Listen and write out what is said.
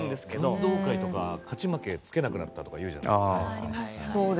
運動会とか勝ち負けつけなくなったっていうじゃないですか。